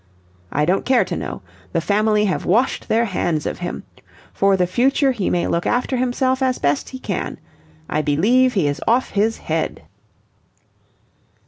"I don't care to know. The Family have washed their hands of him. For the future he may look after himself as best he can. I believe he is off his head."